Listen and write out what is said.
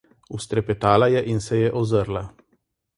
Vztrepetala je in se je ozrla.